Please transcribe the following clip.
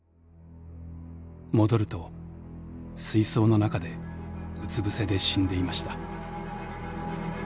戻ると水槽の中でうつ伏せで死んでいました」。